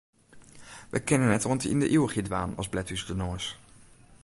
Wy kinne net oant yn de ivichheid dwaan as blet ús de noas.